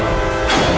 aku mau lihat